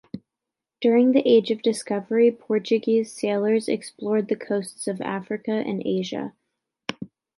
During the age of discovery Portuguese sailors explored the coasts of Africa and Asia.